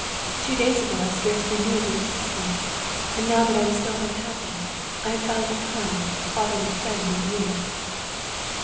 Two days ago I scarcely knew of your existence. And now that I am so unhappy, I have found a kind, fatherly friend in you."